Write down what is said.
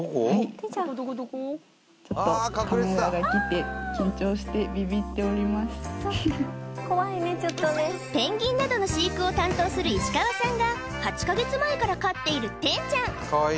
ちょっとペンギンなどの飼育を担当する石川さんが８か月前から飼っているてんちゃん